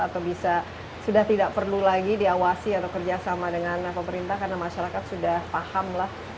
atau bisa sudah tidak perlu lagi diawasi atau kerjasama dengan pemerintah karena masyarakat sudah paham lah